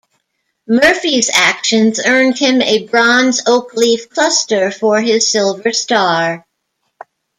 Murphy's actions earned him a Bronze Oak Leaf Cluster for his Silver Star.